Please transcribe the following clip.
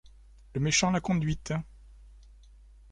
Le méchant l’a conduite !